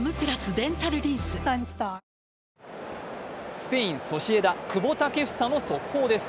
スペイン・ソシエダ久保建英の速報です。